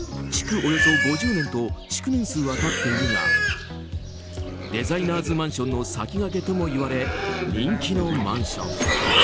およそ５０年と築年数は経っているがデザイナーズマンションの先駆けともいわれ人気のマンション。